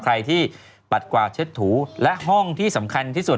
ใครที่ปัดกวาดเช็ดถูและห้องที่สำคัญที่สุด